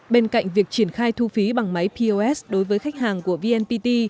bên cạnh việc triển khai thu phí bằng máy pos đối với khách hàng của vnpt